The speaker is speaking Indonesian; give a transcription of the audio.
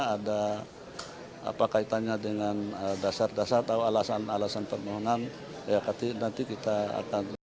ada apa kaitannya dengan dasar dasar atau alasan alasan permohonan ya nanti kita akan